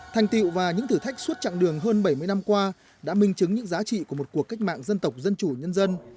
thành tiệu và những thử thách suốt chặng đường hơn bảy mươi năm qua đã minh chứng những giá trị của một cuộc cách mạng dân tộc dân chủ nhân dân